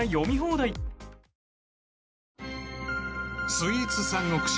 ［スイーツ三国志。